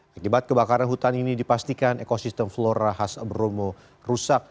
akibat kebakaran hutan ini dipastikan ekosistem flora khas bromo rusak